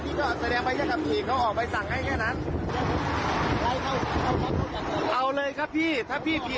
พี่ก็แสดงไปยากกับขี่เขาออกไปสั่งให้แค่นั้นเอาเลยครับพี่ถ้าพี่ผิด